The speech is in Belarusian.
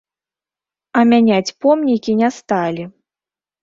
А мяняць помнікі не сталі.